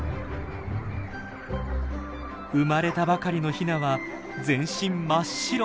生まれたばかりのヒナは全身真っ白。